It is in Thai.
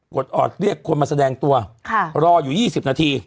อดออดเรียกคนมาแสดงตัวรออยู่๒๐นาที